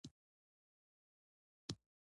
سړي سر عاید د ملي عاید تابع ده.